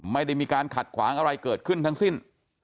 ไม่ได้มีการขัดขวางอะไรเกิดขึ้นทั้งสิ้น